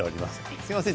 すいません